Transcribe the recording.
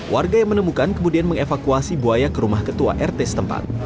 warga yang menemukan kemudian mengevakuasi buaya ke rumah ketua rt setempat